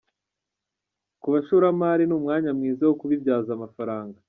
Ku bashoramari ni umwanya mwiza wo kubibyaza amafaranga.